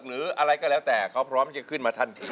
หรืออะไรก็แล้วแต่เขาพร้อมจะขึ้นมาทันที